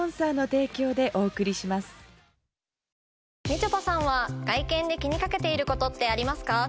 みちょぱさんは外見で気にかけていることってありますか？